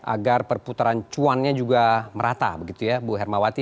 agar perputaran cuannya juga merata begitu ya bu hermawati